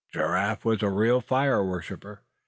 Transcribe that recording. Giraffe was a real fire worshipper.